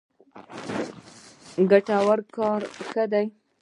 ګټور کار ښه دی.